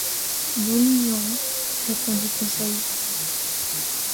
Nous l’ignorons, répondit Conseil.